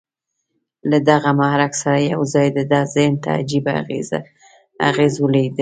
له دغه محرک سره یو ځای د ده ذهن ته عجيبه اغېز ولېږدېد